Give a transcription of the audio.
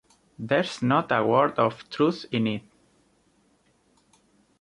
There's not a word of truth in it!